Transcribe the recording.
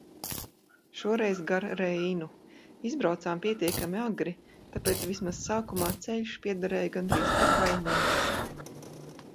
Šoreiz gar Reinu. Izbraucām pietiekami agri, tāpēc vismaz sākumā ceļš piederēja gandrīz tikai mums.